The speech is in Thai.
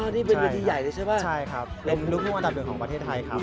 อ๋อนี่เป็นเวทีใหญ่ใช่ป่ะใช่ครับเป็นลูกภูมิวัฒนาเดียวของประเทศไทยครับ